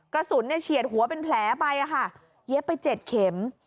กระสุนเฉียดหัวเป็นแผลไปเย็บไป๗เข็ม